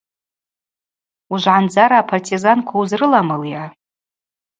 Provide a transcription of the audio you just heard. Уыжвгӏандзара апартизанква уызрыламылйа?